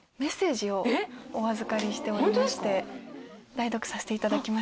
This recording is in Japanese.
代読させていただきます。